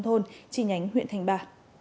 thôn chi nhánh huyện thành ba